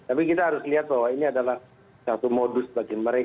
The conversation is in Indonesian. tapi kita harus lihat bahwa ini adalah satu modus bagi mereka